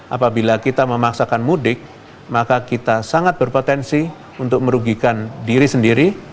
apabila kita memaksakan mudik maka kita sangat berpotensi untuk merugikan diri sendiri